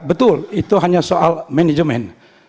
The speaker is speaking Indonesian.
betul itu hanya soal manajemen